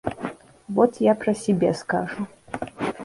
Вот я про себя скажу.